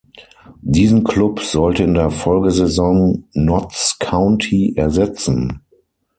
Diesen Klub sollte in der Folgesaison Notts County ersetzen.